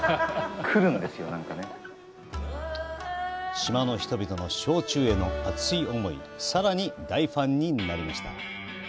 島の人々の焼酎への熱い思い、さらに大ファンになりました。